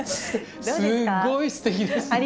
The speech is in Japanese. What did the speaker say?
すっごいすてきですね。